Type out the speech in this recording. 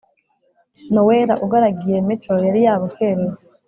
nowela ugaragiye mico yariyabukereye